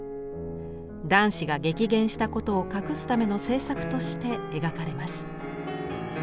男子が激減したことを隠すための政策として描かれます。